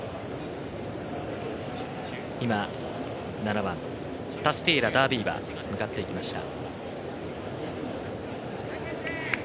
７番、タスティエーラダービー馬、向かっていきました。